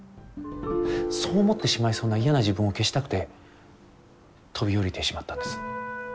そう思ってしまいそうな嫌な自分を消したくて飛び降りてしまったんです。